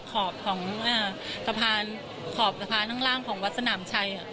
พูดสิทธิ์ข่าวธรรมดาทีวีรายงานสดจากโรงพยาบาลพระนครศรีอยุธยาครับ